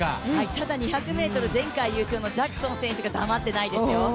ただ２０００ｍ、前回優勝のジャクソン選手が黙っていないですよ。